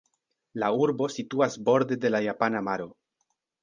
La urbo situas borde de la Japana maro.